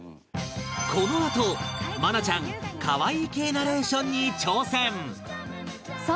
このあと愛菜ちゃん可愛い系ナレーションに挑戦